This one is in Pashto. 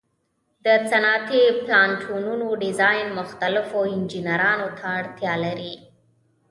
د صنعتي پلانټونو ډیزاین مختلفو انجینرانو ته اړتیا لري.